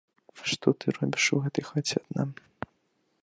Што ты робіш у гэтай хаце адна?